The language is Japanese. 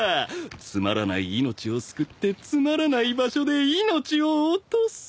つまらない命を救ってつまらない場所で命を落とす。